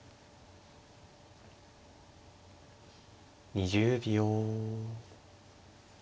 ２０秒。